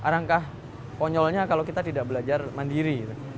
rangka konyolnya kalau kita tidak belajar mandiri